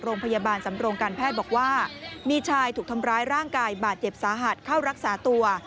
โรงพยาบาลสำโรงการแพทย์บอกว่ามีชายถูกทำร้ายร่างกายบาดเจ็บสาหัสเข้ารักษาตัว